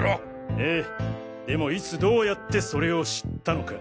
ええでもいつどうやってそれを知ったのか。